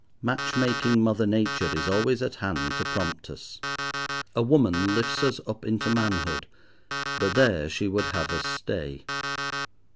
Match making mother Nature is always at hand to prompt us. A woman lifts us up into manhood, but there she would have us stay.